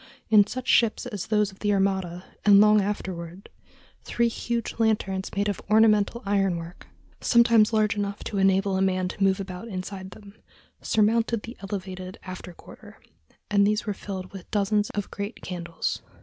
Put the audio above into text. In such ships as those of the Armada, and long afterward, three huge lanterns made of ornamental iron work, sometimes large enough to enable a man to move about inside them, surmounted the elevated after quarter; and these were filled with dozens of great candles.